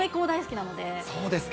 そうですか。